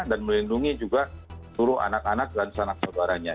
dan melindungi juga seluruh anak anak dan anak anak keluarganya